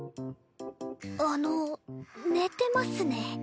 あの寝てますね。